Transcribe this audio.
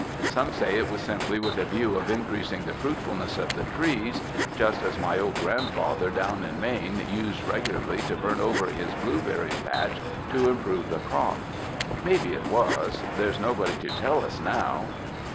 Some say, it was simply with a view of increasing the fruitful ness of the trees, just as my old grandfather down in Maine used regularly to burn over his blueberry patch to improve the crop. Maybe it was. There's nobody to tell us now."